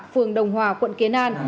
phường đồng hòa quận kiến an